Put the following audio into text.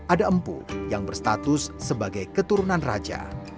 ada empu yang berstatus sebagai keturunan raja